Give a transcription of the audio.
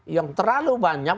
yang terlalu banyak